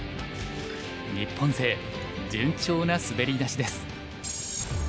日本勢順調な滑り出しです。